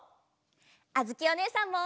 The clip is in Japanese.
あづきおねえさんも！